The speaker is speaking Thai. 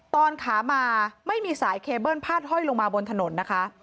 ตอนขามาไม่มีสายเคเบิ้ลพาดห้อยลงมาบนถนนนะคะ